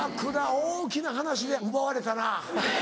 大きな話で奪われたな。